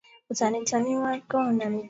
ana mke na na mtoto ambaye si